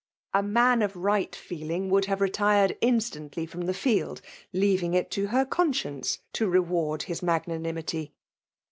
A man of right feeling wotildf late Tetired instantly from the field ; loairifig. itUa her conscience to' reward his niagliani*' ittky.